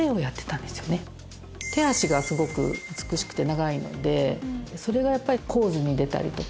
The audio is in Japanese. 手足がすごく美しくて長いのでそれがポーズに出たり。